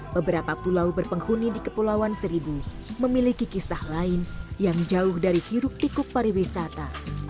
beberapa pulau berpenghuni di kepulauan seribu memiliki kisah lain yang jauh dari hiruk tikuk pariwisata